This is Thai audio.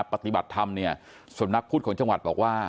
ปฏิบัติธรรมเนี่ยสำนักพุทธของจังหวัดบอกว่า